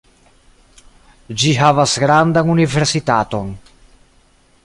Ĝi havas grandan universitaton.